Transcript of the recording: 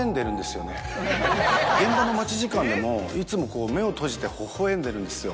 現場の待ち時間でもいつも目を閉じてほほ笑んでるんですよ。